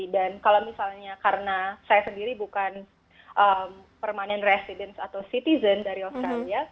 dan kalau misalnya karena saya sendiri bukan permanent resident atau citizen dari australia